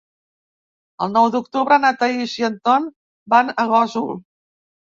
El nou d'octubre na Thaís i en Ton van a Gósol.